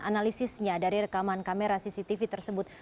analisisnya dari rekaman kamera cctv tersebut